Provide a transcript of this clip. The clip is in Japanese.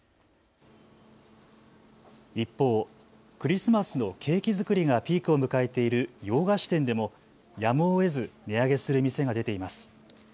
一方、クリスマスのケーキ作りがピークを迎えている洋菓子店でもやむをえず値上げする店が出ています。